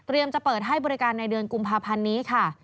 จะเปิดให้บริการในเดือนกุมภาพันธ์นี้ค่ะ